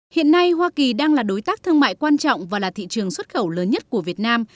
hiện nay hoa kỳ đang là đối tác thương mại quan trọng và là thị trường xuất khẩu lớn nhất của việt nam